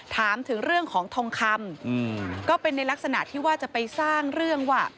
ถามถึงเรื่องของทองคำก็เป็นในลักษณะที่ว่าจะไปสร้างเรื่องว่า